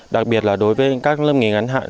đặc biệt là đối với các lớp nghề ngắn hạn